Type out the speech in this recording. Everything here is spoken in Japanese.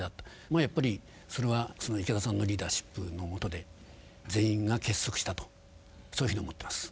まあやっぱりそれは池田さんのリーダーシップのもとで全員が結束したとそういうふうに思ってます。